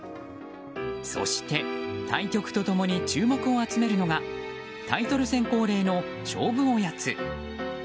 そして、対局と共に注目を集めるのがタイトル戦恒例の勝負おやつ。